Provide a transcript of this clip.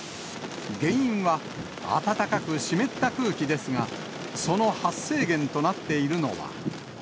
原因は、暖かく湿った空気ですが、その発生源となっているのは。